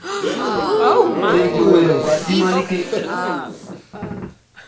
Cɛn wieʼm be o lɛʼn, n kwlá diman like.